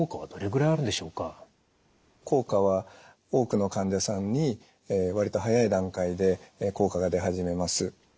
効果は多くの患者さんに割と早い段階で効果が出始めます。